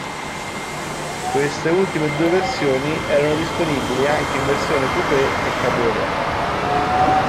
Queste ultime due versioni erano disponibili anche in versione coupé e cabriolet.